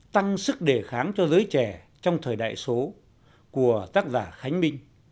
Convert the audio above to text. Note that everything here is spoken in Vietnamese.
tăng sức đề kháng cho giới trẻ trong thời đại số của tác giả khánh minh